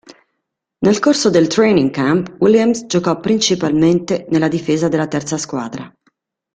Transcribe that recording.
Nel corso del training camp, Williams giocò principalmente nella difesa della terza squadra.